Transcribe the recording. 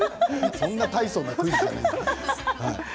そんなたいそうなクイズじゃない。